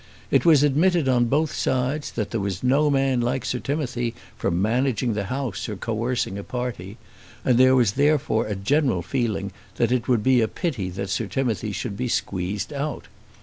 It was admitted on both sides that there was no man like Sir Timothy for managing the House or coercing a party, and there was therefore a general feeling that it would be a pity that Sir Timothy should be squeezed out.